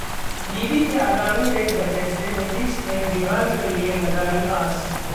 दीदी के आगामी रेल बजट से नीतीश ने बिहार के लिए लगाई आस